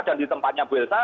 dan di tempatnya bu elsa